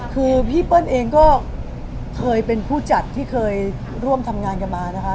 คือพี่เปิ้ลเองก็เคยเป็นผู้จัดที่เคยร่วมทำงานกันมานะคะ